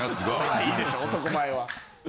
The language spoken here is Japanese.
いいでしょ男前は。